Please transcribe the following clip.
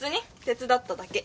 手伝っただけ。